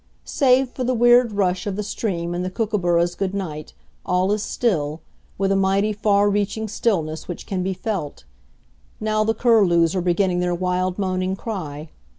Save for the weird rush of the stream and the kookaburras' good night, all is still, with a mighty far reaching stillness which can be felt. Now the curlews are beginning their wild moaning cry.